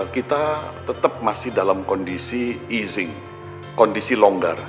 kita tetap masih dalam kondisi easyc kondisi longgar